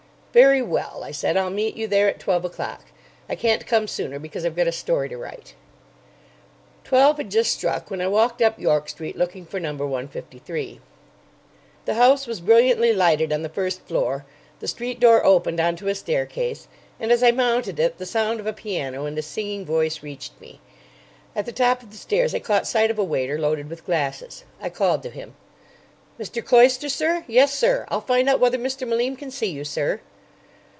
"Very well," I said. "I'll meet you there at twelve o'clock. I can't come sooner because I've got a story to write." Twelve had just struck when I walked up York Street looking for No. 153. The house was brilliantly lighted on the first floor. The street door opened on to a staircase, and as I mounted it the sound of a piano and a singing voice reached me. At the top of the stairs I caught sight of a waiter loaded with glasses. I called to him. "Mr. Cloyster, sir? Yessir. I'll find out whether Mr. Malim can see you, sir."